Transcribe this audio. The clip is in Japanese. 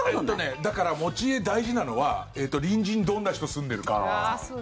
だから持ち家大事なのは隣人どんな人住んでるか。